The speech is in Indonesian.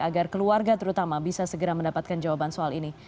agar keluarga terutama bisa segera mendapatkan jawaban soal ini